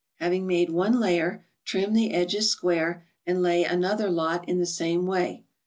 Having made one layer, trim the edges square, and lay another lot in the same way.